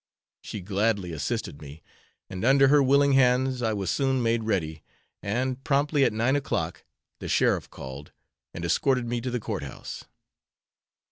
She gladly assisted me, and under her willing hands I was soon made ready, and, promptly at nine o'clock, the sheriff called and escorted me to the courthouse.